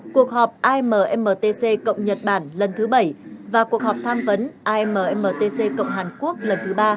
cuộc họp ammtc cộng nhật bản lần thứ bảy và cuộc họp tham vấn ammtc cộng hàn quốc lần thứ ba